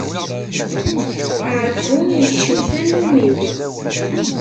Ɛeggu yekcem tannumi-w.